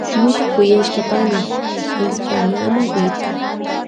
Ñuka kuyashka pani Españama rirka.